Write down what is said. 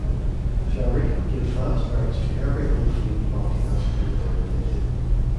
Sharif gives last rites to every unclaimed body as per their religion.